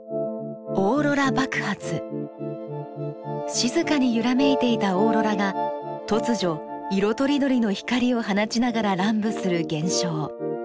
静かに揺らめいていたオーロラが突如色とりどりの光を放ちながら乱舞する現象。